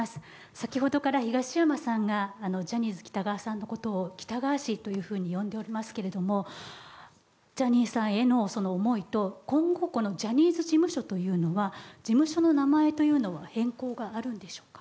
先ほどから東山さんがジャニー喜多川さんのことを喜多川氏というふうに呼んでおりますけれどもジャニーさんへの思いと今後ジャニーズ事務所というのは事務所の名前というのは変更があるんでしょうか？